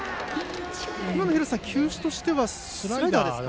今の、廣瀬さん球種はスライダーですか。